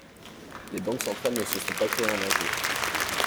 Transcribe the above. Les Banques Centrales ne se sont pas créées en un jour.